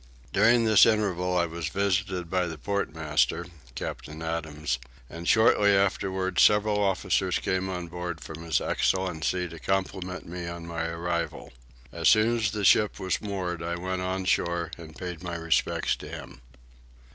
During this interval I was visited by the port master (Captain Adams) and shortly afterwards several officers came on board from his excellency to compliment me on my arrival. As soon as the ship was moored I went on shore and paid my respects to him.